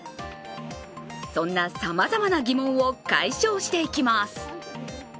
そんなさまざまな疑問を解消していきます。